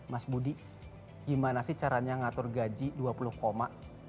mas budi gimana sih caranya ngatur gaji dua puluh koma